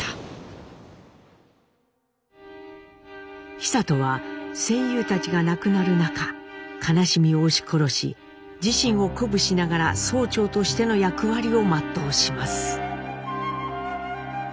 久渡は戦友たちが亡くなる中悲しみを押し殺し自身を鼓舞しながら曹長としての役割を全うします。